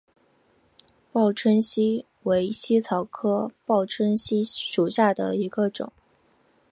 报春茜为茜草科报春茜属下的一个种。